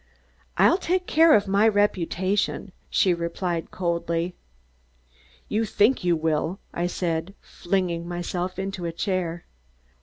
"I'll take care of my reputation," she replied coldly. "You think you will," I said, flinging myself into a chair.